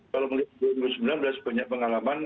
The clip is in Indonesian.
kalau melihat dua ribu sembilan belas banyak pengalaman